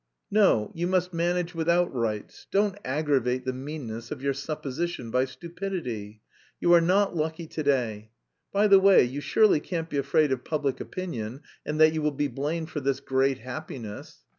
"No, you must manage without rights; don't aggravate the meanness of your supposition by stupidity. You are not lucky to day. By the way, you surely can't be afraid of public opinion and that you will be blamed for this 'great happiness'?